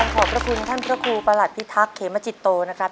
ขอบพระคุณท่านพระครูประหลัดพิทักษ์เขมจิตโตนะครับ